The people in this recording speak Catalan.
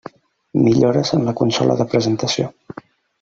Millores en la consola de presentació.